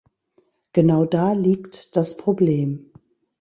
Genau da liegt das Problem.